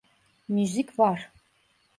Müzik var…